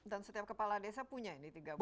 dan setiap kepala desa punya ini tiga buku